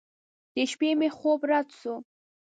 د شپې مې خوب رډ سو.